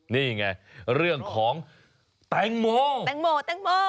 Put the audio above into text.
นี่ไงเรื่องของแตงโมแตงโมแตงโมแตงโม